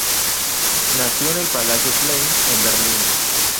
Nació en el Palacio Klein en Berlín.